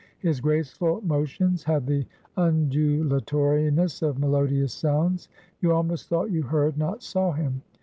His graceful motions had the undulatoriness of melodious sounds. You almost thought you heard, not saw him.